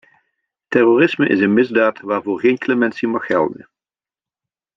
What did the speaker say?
Terrorisme is een misdaad, waarvoor geen clementie mag gelden.